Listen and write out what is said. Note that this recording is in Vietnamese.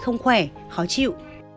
không khỏe khó chịu